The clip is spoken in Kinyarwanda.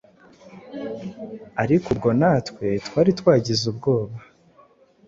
ariko ubwo natwe twari twagize ubwoba.